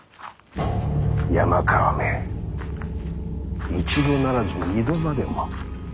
山川め一度ならず二度までも。